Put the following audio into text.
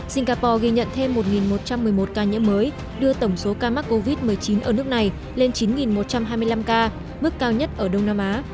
singapore ghi nhận thêm một một trăm một mươi một ca nhiễm mới đưa tổng số ca mắc covid một mươi chín ở nước này lên chín một trăm hai mươi năm ca mức cao nhất ở đông nam á